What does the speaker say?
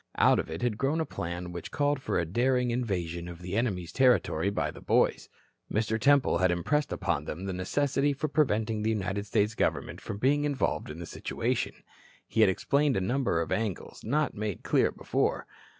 Out of it had grown a plan which called for a daring invasion of the enemy's territory by the boys. Mr. Temple had impressed upon them the necessity for preventing the United States government from being involved in the situation. He had explained a number of angles not made clear before.